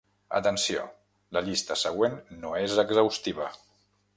Atenció: La llista següent no és exhaustiva.